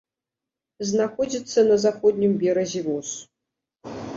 Знаходзіцца на заходнім беразе воз.